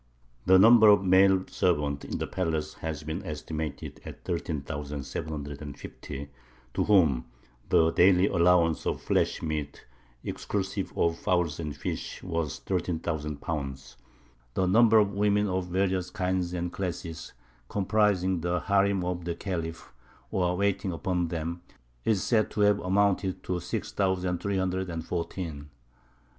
The number of male servants in the palace has been estimated at thirteen thousand seven hundred and fifty, to whom the daily allowance of flesh meat, exclusive of fowls and fish, was thirteen thousand pounds; the number of women of various kinds and classes, comprising the harīm of the Khalif, or waiting upon them, is said to have amounted to six thousand three hundred and fourteen.